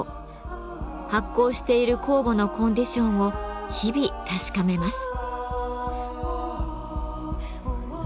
発酵している酵母のコンディションを日々確かめます。